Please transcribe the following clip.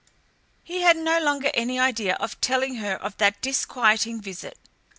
He had no longer any idea of telling her of that disquieting visit.